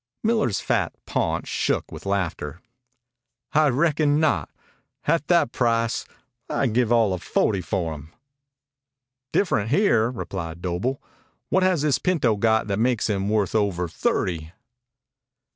Miller's fat paunch shook with laughter. "I reckon not at that price. I'd give all of fohty for him." "Different here," replied Doble. "What has this pinto got that makes him worth over thirty?"